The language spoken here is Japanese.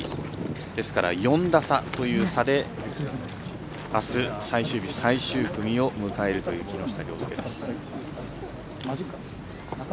ですから４打差という差であす最終日、最終組を迎えるという木下稜介です。